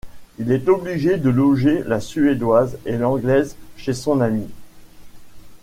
Il est obligé de loger la Suédoise et l'Anglaise chez son ami...